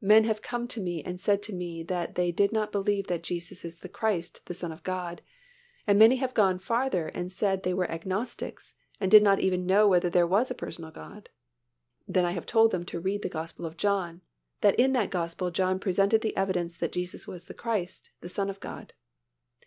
Men have come to me and said to me that they did not believe that Jesus is the Christ, the Son of God, and many have gone farther and said they were agnostics and did not even know whether there was a personal God. Then I have told them to read the Gospel of John, that in that Gospel John presented the evidence that Jesus was the Christ, the Son of God.